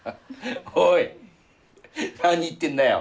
おい何言ってんだよ？